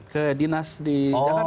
ke dinas di jakarta